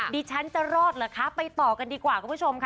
ดิฉันจะรอดเหรอคะไปต่อกันดีกว่าคุณผู้ชมค่ะ